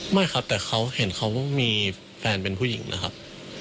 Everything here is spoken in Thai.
ไม่ครับแต่เขาเห็นเขามีแฟนเป็นผู้หญิงนะครับ